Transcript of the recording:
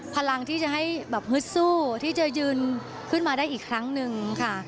พลังที่จะให้แบบฮึดสู้ที่จะยืนขึ้นมาได้อีกครั้งหนึ่งค่ะ